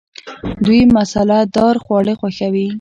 دوی مساله دار خواړه خوښوي.